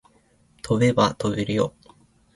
飛べば飛べるよ